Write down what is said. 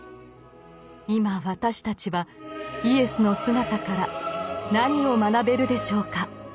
今私たちはイエスの姿から何を学べるでしょうか。